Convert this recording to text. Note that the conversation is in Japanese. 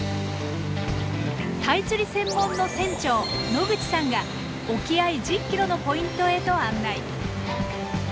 タイ釣り専門の船長野口さんが沖合１０キロのポイントへと案内。